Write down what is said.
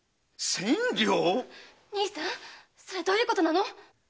千両⁉どういうことなの⁉